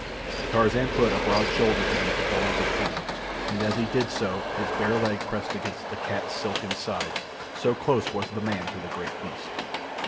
Tarzan put a broad shoulder beneath the bole of the tree, and as he did so his bare leg pressed against the cat's silken side, so close was the man to the great beast.